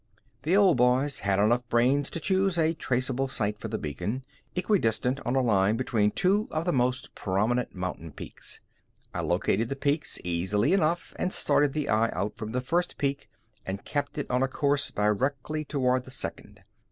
The old boys had enough brains to choose a traceable site for the beacon, equidistant on a line between two of the most prominent mountain peaks. I located the peaks easily enough and started the eye out from the first peak and kept it on a course directly toward the second.